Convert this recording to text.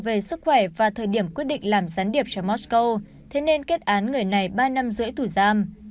về sức khỏe và thời điểm quyết định làm gián điệp cho mosco thế nên kết án người này ba năm rưỡi tù giam